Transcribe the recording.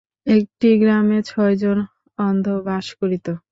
একটি গ্রামে ছয়জন অন্ধ বাস করিত।